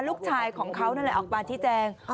ลูกชายของเขานั่นแหละออกมาชี้แจง